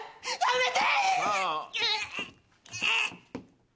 やめて！